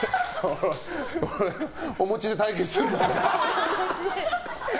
お餅で対決するの？